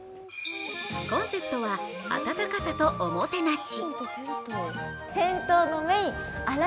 コンセプトは「温かさとおもてなし」。